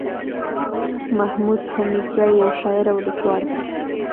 محمود حميدزى يٶ شاعر او ليکوال دئ